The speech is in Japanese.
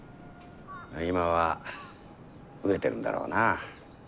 今は飢えてるんだろうな。